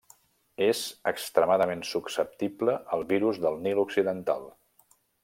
És extremadament susceptible al virus del Nil occidental.